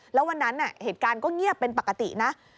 แล้ววันนั้นเหตุการณ์ก็เงียบเป็นปกตินะ